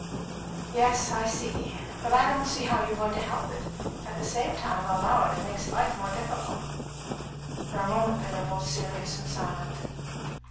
"Yes, I see. But I don't see how you're going to help it At the same time, I'll allow that it makes life more difficult." For a moment they were both serious and silent.